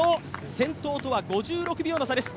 先頭とは５６秒の差です。